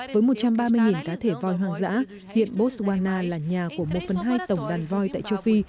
với một trăm ba mươi cá thể voi hoang dã hiện boswana là nhà của một phần hai tổng đàn voi tại châu phi